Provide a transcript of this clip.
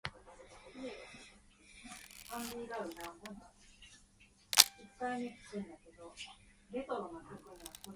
The type species for the genus is "Stachys sylvatica".